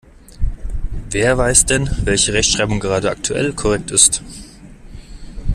Wer weiß denn, welche Rechtschreibung gerade aktuell korrekt ist?